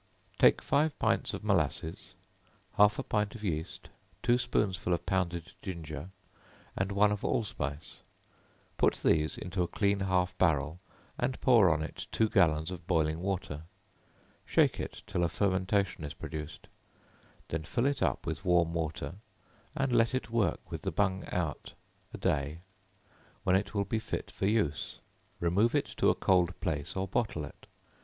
Take five pints of molasses, half a pint of yeast, two spoonsful of pounded ginger, and one of allspice; put these into a clean half barrel, and pour on it two gallons of boiling water; shake it till a fermentation is produced; then fill it up with warm water, and let it work with the bung out, a day, when it will be fit for use; remove it to a cold place, or bottle it.